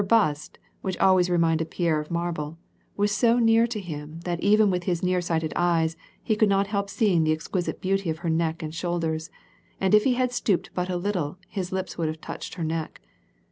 Her bust, which always reminded Pierre of marble, was so near to him tliat even with his near sighted eyes he could not help seeing the exquisite beauty of her neck and shoulders, and if he had stooped but a little, his lips would have touched her neck.